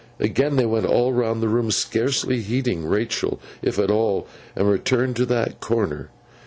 Again they went all round the room, scarcely heeding Rachael if at all, and returned to that corner.